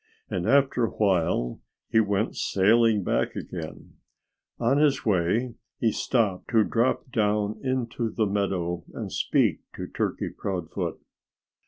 And after a while he went sailing back again. On his way he stopped to drop down into the meadow and speak to Turkey Proudfoot.